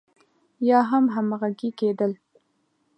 يا هم همغږي کېدل.